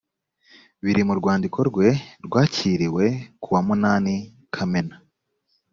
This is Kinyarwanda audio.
biri mu rwandiko rwe rwakiriwe ku wa munanikamena